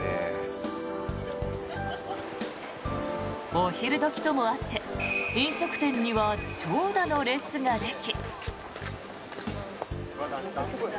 お昼時ともあって飲食店には長蛇の列ができ。